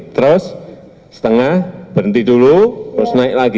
terus setengah berhenti dulu terus naik lagi